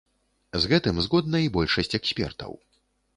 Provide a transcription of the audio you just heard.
З гэтым згодна і большасць экспертаў.